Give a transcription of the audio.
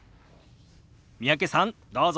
三宅さんどうぞ！